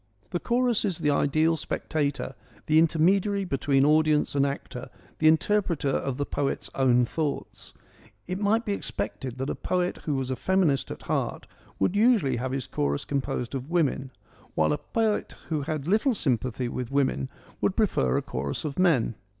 The chorus is the ideal spectator, the intermediary between audience and actor, the interpreter of the poet's own thoughts. It might be expected that a poet who was a feminist at heart would usually have his chorus composed of women, while a poet EURIPIDES 99 who had little sympathy with women would prefer a chorus of men.